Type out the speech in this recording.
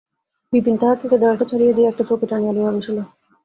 বিপিন তাহাকে কেদারাটা ছাড়িয়া দিয়া একটা চৌকি টানিয়া লইয়া বসিল।